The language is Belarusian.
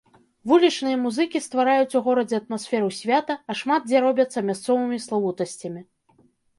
Вулічныя музыкі ствараюць у горадзе атмасферу свята, а шмат дзе робяцца мясцовымі славутасцямі.